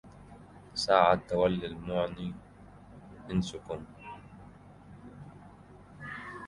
ساعة تولى المعنى أنسكم